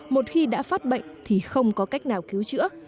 một khi đã phát bệnh thì không có cách nào cứu chữa